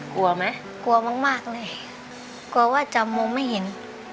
กลัวไหมกลัวมากเลยกลัวว่าจะมองไม่เห็น